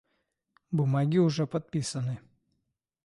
Бумаги уже подписаны.